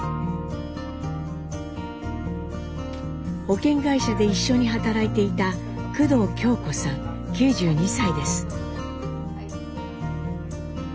保険会社で一緒に働いていた工藤京子さん９２歳です。